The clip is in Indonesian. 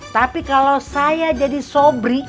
tapi kalau saya jadi sobri